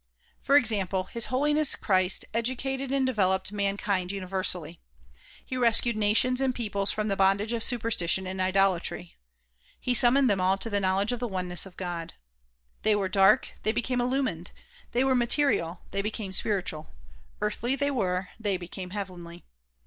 For example, His Holiness Christ educated and developed man kind universally. He rescued nations and peoples from the bondage of superstition and idolatry. He summoned them all to the knowl edge of the oneness of God. They were dark, they became illu mined; they were material, they became spiritual; earthly they were, they became heavenly.